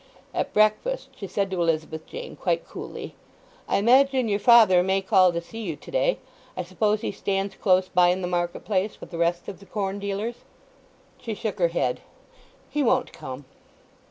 At breakfast she said to Elizabeth Jane quite coolly: "I imagine your father may call to see you to day. I suppose he stands close by in the market place with the rest of the corn dealers?" She shook her head. "He won't come."